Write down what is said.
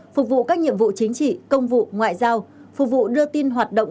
phục vụ các nhiệm vụ chính trị công vụ ngoại giao phục vụ đưa tin hoạt động